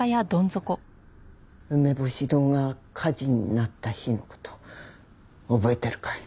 うめぼし堂が火事になった日の事覚えてるかい？